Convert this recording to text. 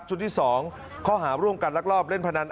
ชุดที่สองข้อหาร่วมการรักรอบเล่นพนัน